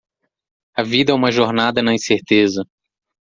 A vida é uma jornada na incerteza.